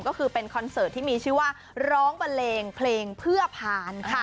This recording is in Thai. ก็คือเป็นคอนเสิร์ตที่มีชื่อว่าร้องบันเลงเพลงเพื่อผ่านค่ะ